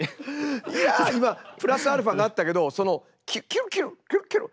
いやあ今プラスアルファがあったけどその「キュルキュルキュルキュル」。